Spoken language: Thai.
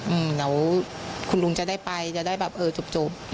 เดี๋ยวคุณลุงจะได้ไปจะได้แบบจบ